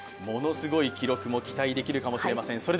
ものすごい記録も期待できるかもしれません。